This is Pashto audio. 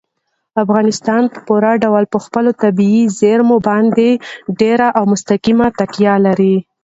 افغانستان په پوره ډول په خپلو طبیعي زیرمو باندې ډېره او مستقیمه تکیه لري.